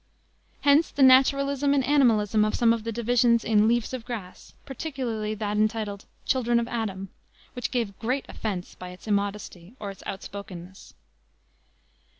Hence the naturalism and animalism of some of the divisions in Leaves of Grass, particularly that entitled Children of Adam, which gave great offense by its immodesty, or its outspokenness.